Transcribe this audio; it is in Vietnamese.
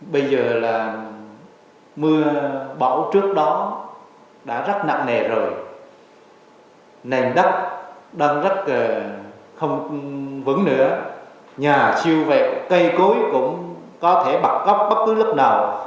bây giờ là mưa bão trước đó đã rất nặng nề rồi nền đất đang rất không vững nữa nhà chiêu vẹo cây cối cũng có thể bặt góc bất cứ lớp nào